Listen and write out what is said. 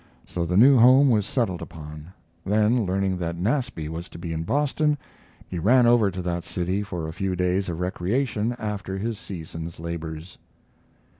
So the new home was settled upon; then learning that Nasby was to be in Boston, he ran over to that city for a few days of recreation after his season's labors.